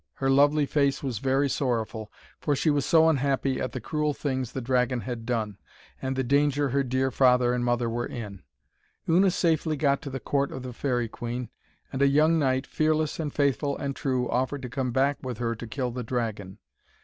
Her lovely face was very sorrowful, for she was so unhappy at the cruel things the dragon had done, and the danger her dear father and mother were in. Una safely got to the court of the Faerie Queen, and a young knight, fearless and faithful and true, offered to come back with her to kill the dragon.